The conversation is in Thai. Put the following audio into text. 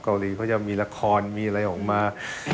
เกาหลีเขาจะมีละครมีอะไรออกมา